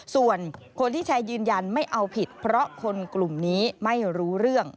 ส่วนคนที่แชร์ยืนยันไม่เอาผิดเพราะคนกลุ่มนี้ไม่รู้เรื่อง